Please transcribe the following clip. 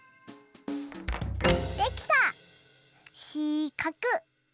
できたしかく。